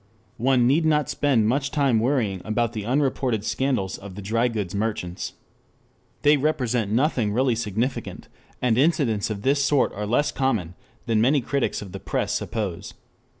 One need not spend much time worrying about the unreported scandals of the dry goods merchants. They represent nothing really significant, and incidents of this sort are less common than many critics of the press suppose.